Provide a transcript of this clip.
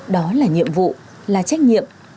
đó là nhiệm vụ là trách nhiệm